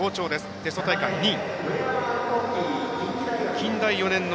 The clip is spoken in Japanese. テスト大会２位。